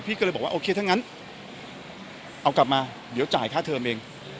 ก็เลยบอกว่าโอเคถ้างั้นเอากลับมาเดี๋ยวจ่ายค่าเทอมเอง